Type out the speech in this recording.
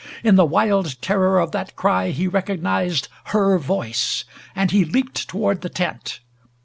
In the wild terror of that cry he recognized her voice and he leaped toward the tent.